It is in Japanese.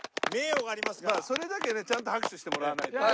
それだけねちゃんと拍手してもらわないとね。